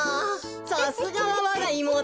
さすがはわがいもうと。